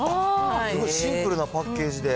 すごいシンプルなパッケージで。